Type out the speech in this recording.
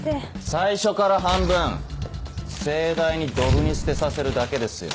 最初から半分盛大にドブに捨てさせるだけですよ。